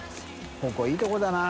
海いいとこだな。